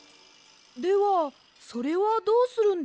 ではそれはどうするんですか？